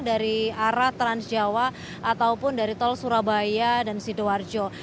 dari arah transjawa ataupun dari tol surabaya dan sidoarjo